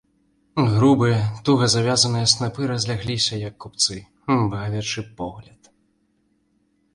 Грубыя, туга звязаныя снапы разлягліся, як купцы, бавячы погляд.